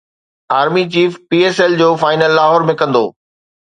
army chief P S L جو final Lahore ۾ ڪندو